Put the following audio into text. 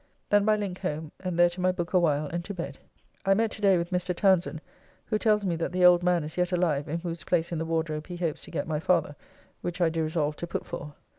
Then by link home, and there to my book awhile and to bed. I met to day with Mr. Townsend, who tells me that the old man is yet alive in whose place in the Wardrobe he hopes to get my father, which I do resolve to put for.